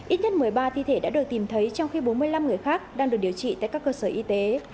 ít nhất một mươi ba thi thể đã được tìm thấy trong khi bốn mươi năm người khác đang được điều trị tại các cơ sở y tế